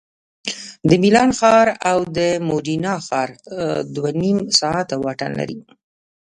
د میلان ښار او مودینا ښار دوه نیم ساعتونه واټن لري